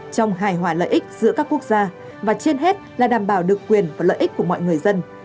trong hài hòa lợi ích giữa các quốc gia và trên hết là đảm bảo được quyền và lợi ích của mọi người dân